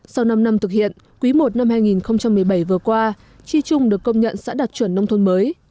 sau năm năm thực hiện quý i năm hai nghìn một mươi bảy vừa qua chi trung được công nhận xã đạt chuẩn nông thôn mới